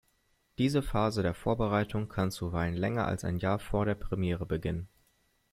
Diese Phase der Vorbereitung kann zuweilen länger als ein Jahr vor der Premiere beginnen.